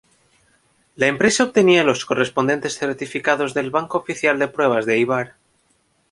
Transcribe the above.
La empresa obtenía los correspondiente certificados del Banco Oficial de Pruebas de Éibar.